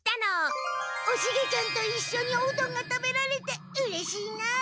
おシゲちゃんといっしょにおうどんが食べられてうれしいな。